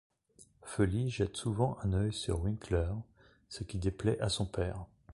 Feli jette souvent un œil sur Winkler, ce qui déplaît à son père.